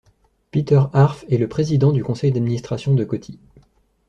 Peter Harf et le président du conseil d’administration de Coty.